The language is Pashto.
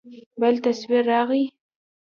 بل تصوير راغى.